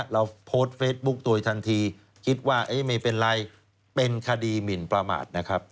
เราโพสต์เฟซบุ๊คตัวเองทันทีคิดว่าไม่เป็นไรเป็นคดีหมินประมาทนะครับ